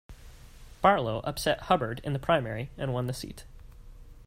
Barlow upset Hubbard in the primary and won the seat.